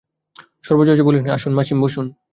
সর্বজয়া বলিল, আসুন, মাসিম বসুন।